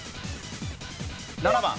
７番。